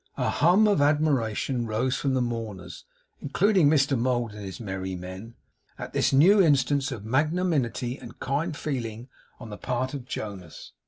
A hum of admiration rose from the mourners (including Mr Mould and his merry men) at this new instance of magnanimity and kind feeling on the part of Jonas.